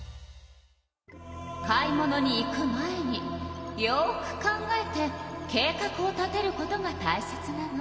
買い物に行く前によく考えて計画を立てることがたいせつなの。